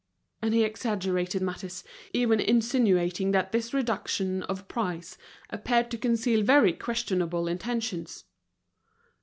And he exaggerated matters, even insinuating that this reduction of price appeared to conceal very questionable intentions.